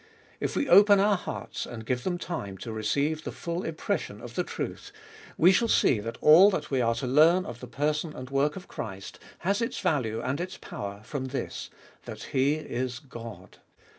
If we open our hearts and give them time to receive the full impression of the truth, 62 Cbe tboltest of BU we shall see that all that we are to learn of the person and work of Christ has its value and its power from this — that He is God.